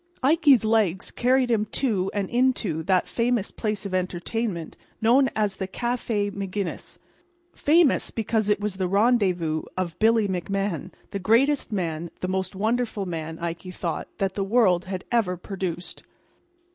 Ikey's legs carried him to and into that famous place of entertainment known as the Café Maginnis—famous because it was the rendezvous of Billy McMahan, the greatest man, the most wonderful man, Ikey thought, that the world had ever produced.